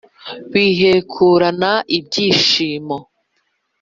bihekurana ibyishimo